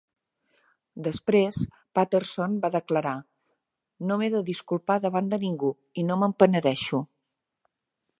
Després, Patterson va declarar: "No m'he de disculpar davant de ningú i no me'n penedeixo".